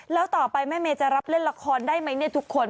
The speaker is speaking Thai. แล้วต่อไปแม่เมย์จะรับเล่นละครได้ไหมเนี่ยทุกคน